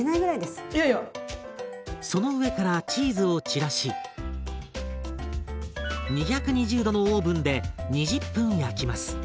その上からチーズを散らし２２０℃のオーブンで２０分焼きます。